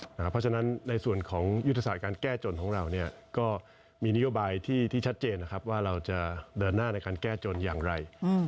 เพราะฉะนั้นในส่วนของยุทธศาสตร์การแก้จนของเราก็มีนโยบายที่ชัดเจนนะครับว่าเราจะเดินหน้าในการแก้จนอย่างไร